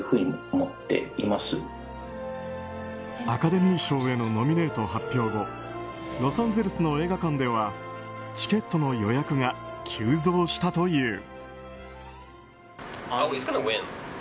アカデミー賞へのノミネート発表後ロサンゼルスの映画館ではチケットの予約が急増したという。